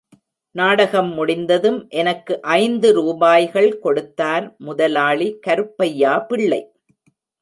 நாடகம் முடிந்ததும் எனக்கு ஐந்து ரூபாய்கள் கொடுத்தார் முதலாளி கருப்பையா பிள்ளை.